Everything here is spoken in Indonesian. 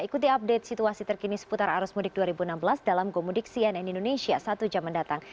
ikuti update situasi terkini seputar arus mudik dua ribu enam belas dalam gomudik cnn indonesia satu jam mendatang